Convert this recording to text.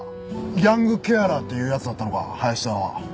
ヤングケアラーっていうやつだったのか林田は。